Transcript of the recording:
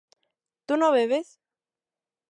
¿tú no bebes?